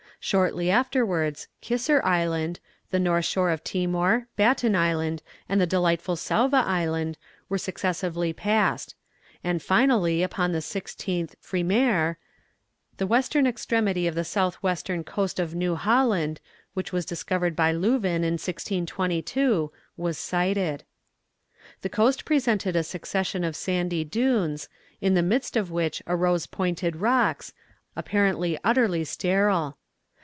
Shortly afterwards, Kisser Island, the north shore of Timor, Baton Island, and the delightful Sauva Island, were successively passed; and finally, upon the 16th "Frimaire," the western extremity of the south western coast of New Holland, which was discovered by Leuwin in 1622, was sighted. The coast presented a succession of sandy dunes, in the midst of which arose pointed rocks, apparently utterly sterile.